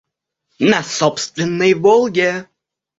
на собственной "Волге".